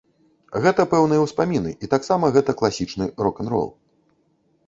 Гэта пэўныя ўспаміны і таксама гэта такі класічны рок-н-рол.